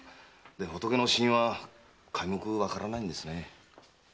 ホトケの死因はわからないんですね。